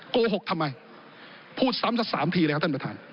โกหกทำไมพูดซ้ำสักสามทีเลยครับท่านประธาน